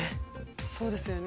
そうですよね。